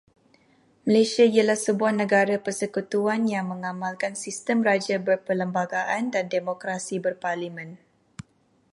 Malaysia ialah sebuah negara persekutuan yang mengamalkan sistem Raja Berperlembagaan dan Demokrasi Berparlimen.